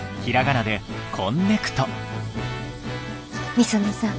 御園さん。